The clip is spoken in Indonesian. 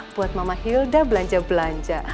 buat mama hilda belanja belanja